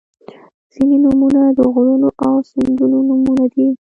• ځینې نومونه د غرونو او سیندونو نومونه دي.